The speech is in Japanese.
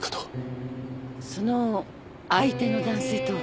その相手の男性とは？